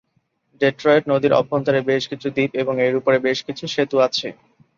Detroit নদীর অভ্যন্তরে বেশ কিছু দ্বীপ এবং এর উপরে বেশ কিছু সেতু আছে।